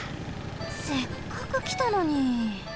せっかくきたのに！